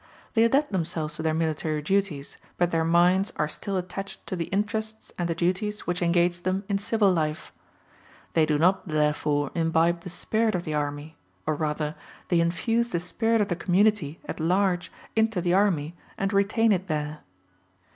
They adapt themselves to their military duties, but their minds are still attached to the interests and the duties which engaged them in civil life. They do not therefore imbibe the spirit of the army or rather, they infuse the spirit of the community at large into the army, and retain it there.